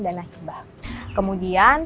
dana hibah kemudian